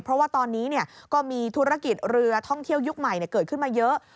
เพราะว่าตอนนี้ก็มีธุรกิจเรือท่องเที่ยวยุคใหม่เกิดขึ้นมาเยอะ